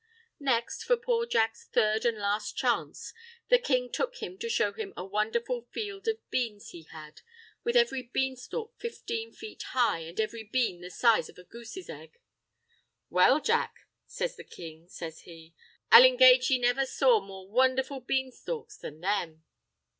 Next, for poor Jack's third an' last chance, the king took him to show him a wondherful field of beans he had, with every beanstalk fifteen feet high, an' every bean the size of a goose's egg. "Well, Jack," says the king, says he, "I'll engage ye never saw more wondherful beanstalks than them?"